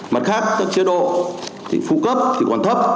mặt khác các chế độ phu cấp thì còn thấp